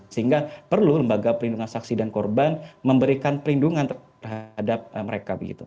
sehingga perlu lembaga perlindungan saksi dan korban memberikan perlindungan terhadap mereka begitu